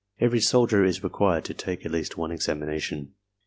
Every soldier is required to take at least one examination.